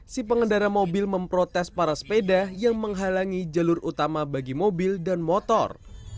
si pengendara mobil memprotes para sepeda yang menghalangi jalur utama bagi mobil dan motor